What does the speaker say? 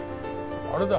あれだ！